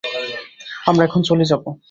আমরা এখন চলে যাব।